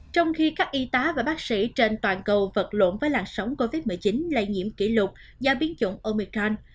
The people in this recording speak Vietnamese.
trong khi các y tá và bác sĩ trên toàn cầu vật lộn với làn sóng covid một mươi chín lây nhiễm kỷ lục do biến chủng omican